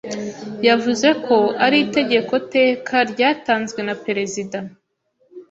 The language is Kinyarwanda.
yavuze ko ari itegeko-teka ryatanzwe na Perezida